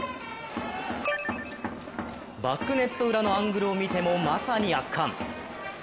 バックネット裏のアングルを見てもまさに圧巻。